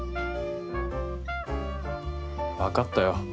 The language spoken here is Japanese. わかったよ。